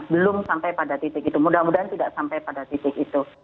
belum sampai pada titik itu mudah mudahan tidak sampai pada titik itu